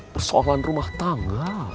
persoalan rumah tangga